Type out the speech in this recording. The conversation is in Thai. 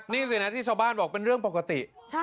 นี่สินะที่ชาวบ้านบอกเป็นเรื่องปกติ